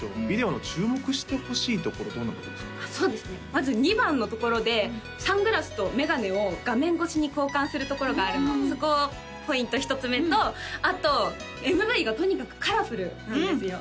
まず２番のところでサングラスと眼鏡を画面越しに交換するところがあるのそこをポイント一つ目とあとＭＶがとにかくカラフルなんですよ